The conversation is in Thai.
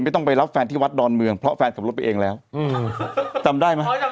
ต้องไปรับแฟนที่วัดดอนเมืองเพราะแฟนสมรสไปเองแล้วอืมจำได้ไหม